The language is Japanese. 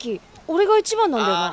俺が一番なんだよな。